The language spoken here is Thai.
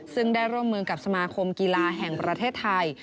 ซึ่งได้ร่วมมือกับสมาคมกีฬาแห่งประเทศไทย